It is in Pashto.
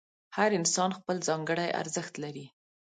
هر انسان خپل ځانګړی ارزښت لري.